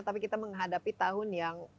tapi kita menghadapi tahun yang